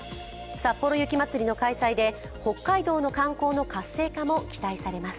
さっぽろ雪まつりの開催で北海道の観光の活性化も期待されます。